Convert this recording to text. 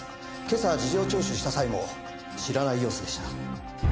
今朝事情聴取した際も知らない様子でした。